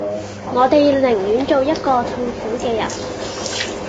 我地寧願做一個痛苦既人